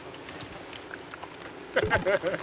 ハハハハ。